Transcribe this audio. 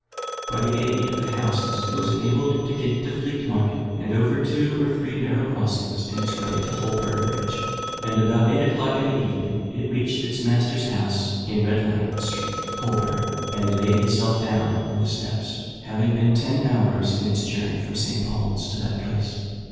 By the aid of the houses it was enabled to get to Fleet Market, and over two or three narrow crossings in its way to Holborn Bridge, and about eight o'clock in the evening it reached its master's house in Red Lion Street, Holborn, and laid itself down on the steps, having been ten hours in its journey from St. Paul's to that place.